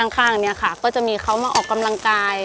ข้างนี้ค่ะก็จะมีเขามาออกกำลังกาย